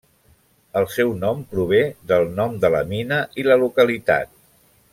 El seu nom prové del nom de la mina i la localitat.